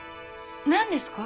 何ですか？